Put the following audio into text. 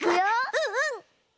うんうん！